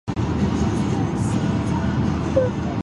This can reduce the noise in the updates and improve convergence.